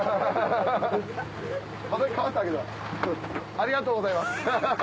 ・・ありがとうございますフフフ！